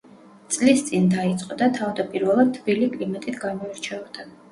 წლის წინ დაიწყო და თავდაპირველად თბილი კლიმატით გამოირჩეოდა.